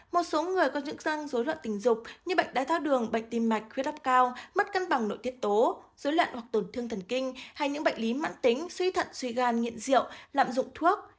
một số người có những dối loạn tình dục như bệnh đai thao đường bệnh tim mạch khuyết áp cao mất cân bằng nội tiết tố dối loạn hoặc tổn thương thần kinh hay những bệnh lý mạng tính suy thận suy gan nghiện diệu lạm dụng thuốc